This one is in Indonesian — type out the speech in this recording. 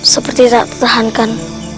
seperti tidak tertahankan